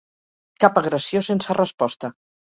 Cap agressió sense resposta